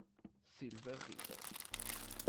Silver River